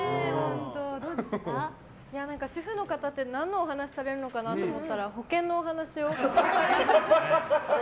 主婦の方って何のお話されるのかなと思ったら保険のお話を。